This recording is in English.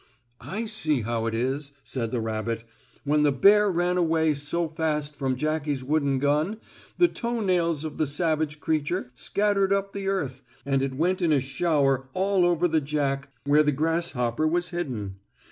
"I see how it is," said the rabbit. "When the bear ran away so fast from Jackie's wooden gun the toenails of the savage creature scattered up the earth, and it went in a shower all over the Jack where the grasshopper was hidden.